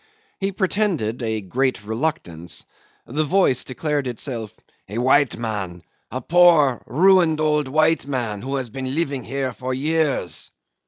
He pretended a great reluctance. The voice declared itself "a white man a poor, ruined, old man who had been living here for years."